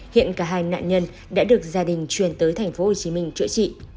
hiện cả hai nạn nhân đã được gia đình truyền tới tp hcm chữa trị